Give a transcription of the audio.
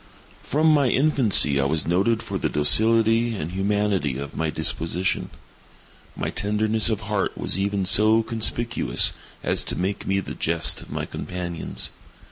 From my infancy I was noted for the docility and humanity of my disposition. My tenderness of heart was even so conspicuous as to make me the jest of my companions.